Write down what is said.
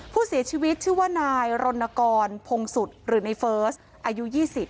ผู้เสียชีวิตชื่อว่านายรณกรพงศุษย์หรือในเฟิร์สอายุ๒๐